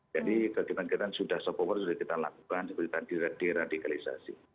jadi kegiatan kegiatan sudah soft power sudah kita lakukan seperti tadi di radikalisasi